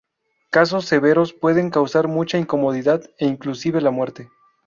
Casos severos pueden causar mucha incomodidad e inclusive la muerte.